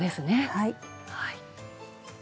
はい。